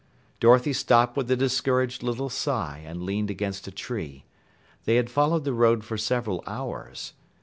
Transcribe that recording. Dorothy stopped with a discouraged little sigh and leaned against a tree. They had followed the road for several hours.